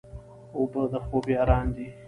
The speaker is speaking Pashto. اوبه د خوب یاران دي.